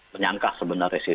menyangka sebenarnya sih